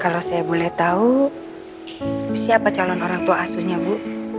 kalau saya boleh tahu siapa calon orang tua asuhnya bu